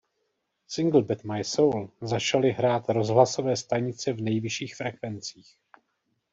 Singl "Bet my soul" začaly hrát rozhlasové stanice v nejvyšších frekvencích.